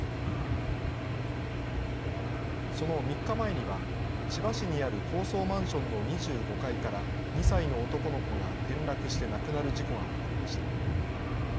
その３日前には、千葉市にある高層マンションの２５階から、２歳の男の子が転落して亡くなる事故が起こりました。